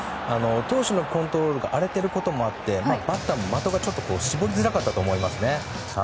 投手のコントロールが荒れていることもあってバッターも的がちょっと絞りづらかったと思いますね。